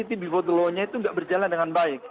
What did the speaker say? itu before the law nya itu tidak berjalan dengan baik